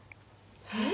えっ！？